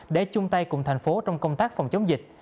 để chung tay cùng thành phố trong công tác phòng chống dịch